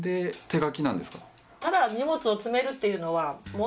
ただ荷物を詰めるっていうのは。